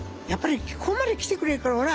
やっぱりここまで来てくれるから。